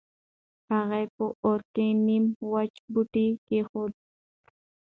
هغې په اور کې نيم وچ بوټی کېښود.